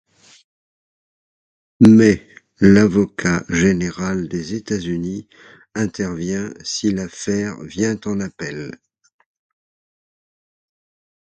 Mais l'avocat général des États-Unis intervient si l'affaire vient en appel.